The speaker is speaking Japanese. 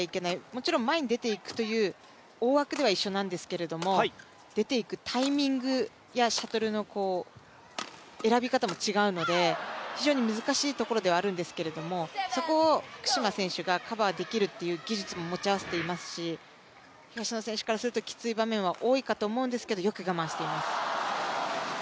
もちろん、前に出るという大枠では一緒なんですけども、出ていくタイミングやシャトルの選び方も違うので、非常に難しいところではあるんですけどそこを福島選手がカバーできるっていう技術も持ち合わせていますし東野選手からするときつい場面は多いかと思うんですけどよく我慢しています。